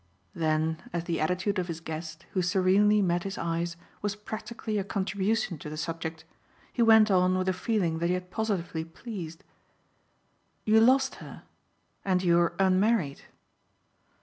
Then as the attitude of his guest, who serenely met his eyes, was practically a contribution to the subject, he went on with a feeling that he had positively pleased. "You lost her and you're unmarried."